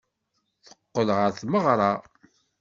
Teqqel ɣer tmeɣra.